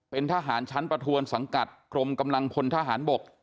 เป็นทหารชั้นประทวนสังกัดกรมกำลังพลทหารบก